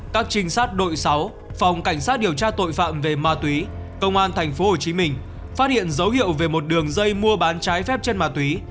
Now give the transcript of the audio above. các trinh sát đội sáu phòng cảnh sát điều tra tội phạm về ma túy công an thành phố hồ chí minh phát hiện dấu hiệu về một đường dây mua bán trái phép trên ma túy